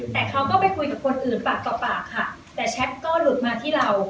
แต่เขาก็ไปคุยกับคนอื่นปากต่อปากค่ะแต่แชทก็หลุดมาที่เรา